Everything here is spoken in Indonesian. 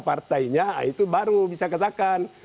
partainya itu baru bisa katakan